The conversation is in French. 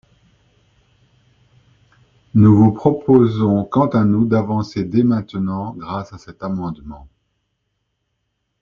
Nous vous proposons quant à nous d’avancer dès maintenant grâce à cet amendement.